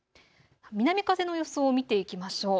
南風の予想を見ていきましょう。